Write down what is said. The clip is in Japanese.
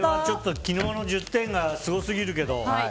昨日の１０点がすごすぎるけど。